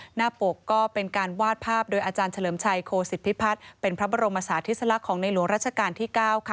หน้าปกก็เป็นการวาดภาพโดยอาจารย์เฉลิมชัยโคศิษฐพิพัฒน์เป็นพระบรมศาสติสลักษณ์ของในหลวงราชการที่๙ค่ะ